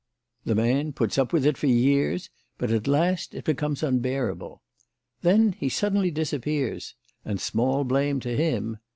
The man puts up with it for years, but at last it becomes unbearable. Then he suddenly disappears; and small blame to him.